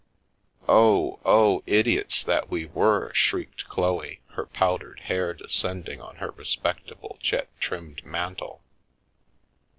" Oh, oh, idiots that we were !" shrieked Chloe, her powdered hair descending on her respectable, jet trimmed mantle.